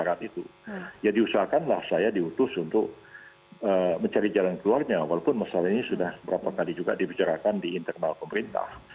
ya diusahakanlah saya diutus untuk mencari jalan keluarnya walaupun masalah ini sudah berapa kali juga dibicarakan di internal pemerintah